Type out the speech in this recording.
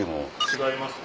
違います？